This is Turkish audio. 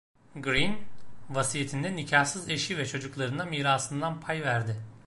Green, vasiyetinde nikahsız eşi ve çocuklarına mirasından pay verdi.